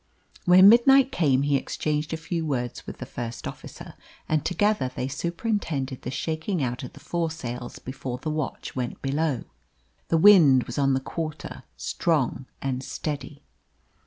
When midnight came he exchanged a few words with the first officer, and together they superintended the shaking out of the foresails before the watch went below. The wind was on the quarter, strong and steady.